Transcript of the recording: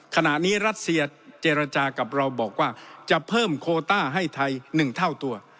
ขณะนี้รัสเซียเจรจากับเราบอกว่าจะเพิ่มโคต้าให้ไทย๑เท่าตัว